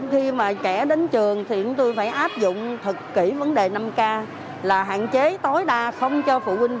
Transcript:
khi mà trẻ đến trường thì chúng tôi phải áp dụng thật kỹ vấn đề năm k là hạn chế tối đa không cho phụ huynh